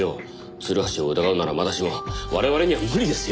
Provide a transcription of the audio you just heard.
鶴橋を疑うならまだしも我々には無理ですよ。